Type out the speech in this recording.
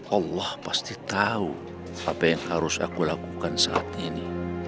allah pasti tahu apa yang harus aku lakukan saat ini